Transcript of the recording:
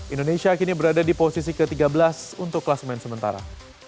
indonesia kini berada di posisi ke tiga belas untuk kelas main sementara